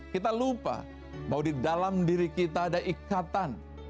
kita lupa bahwa di dalam diri kita ada ikatan